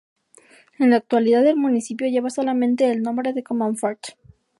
En la actualidad, el municipio lleva solamente el nombre de Comonfort.